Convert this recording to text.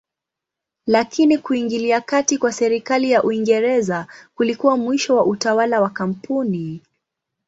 Lakini kuingilia kati kwa serikali ya Uingereza kulikuwa mwisho wa utawala wa kampuni.